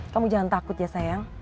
kamu jangan takut ya sayang